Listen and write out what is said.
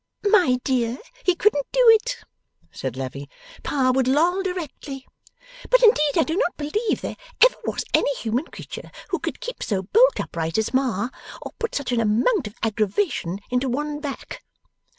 'My dear, he couldn't do it,' said Lavvy. 'Pa would loll directly. But indeed I do not believe there ever was any human creature who could keep so bolt upright as Ma, 'or put such an amount of aggravation into one back!